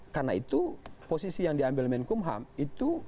karena itu posisi yang diambil kemenkumham itu